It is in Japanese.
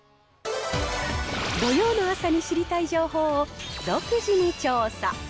土曜の朝に知りたい情報を独自に調査。